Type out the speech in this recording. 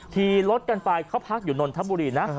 ขี่รถกันไปเขาพักอยู่นนทบุรีนะ